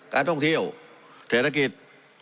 การท่องเที่ยวเศรษฐกิจ